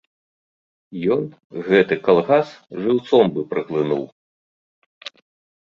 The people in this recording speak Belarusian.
Ён гэты калгас жыўцом бы праглынуў.